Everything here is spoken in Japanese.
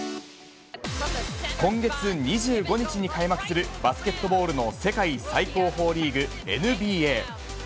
今月２５日に開幕するバスケットボールの世界最高峰リーグ、ＮＢＡ。